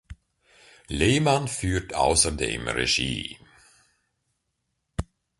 Lehmann führt außerdem Regie.